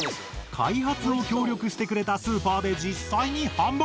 開発を協力してくれたスーパーで実際に販売！